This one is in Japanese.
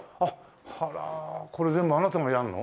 あらこれ全部あなたがやるの？